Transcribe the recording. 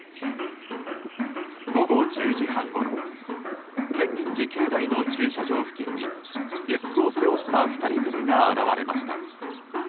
午後１０時半ごろ建仁寺境内の駐車場付近にリュックを背負った２人組が現れました。